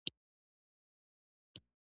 هغه ته به یې علامه ویل.